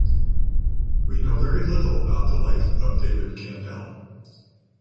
We know very little about the life of David Kandel.